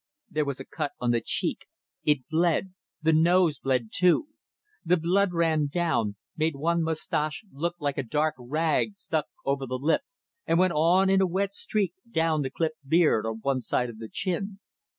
There was a cut on the cheek. It bled. The nose bled too. The blood ran down, made one moustache look like a dark rag stuck over the lip, and went on in a wet streak down the clipped beard on one side of the chin.